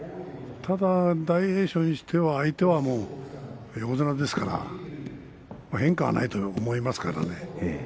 ただ大栄翔にしては相手は横綱ですから変化はないと思いますからね。